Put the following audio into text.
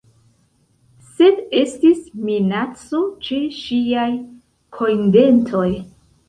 Sed estis minaco ĉe ŝiaj kojndentoj.